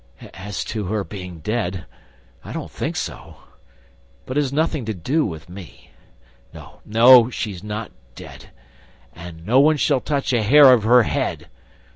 ... As to her being dead, I don't think so; but it has nothing to do with me ... No, no, she is not dead! And no one shall touch a hair of her head!